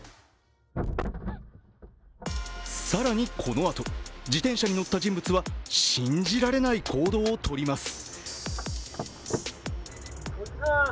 更に、このあと自転車に乗った人物は信じられない行動をとります。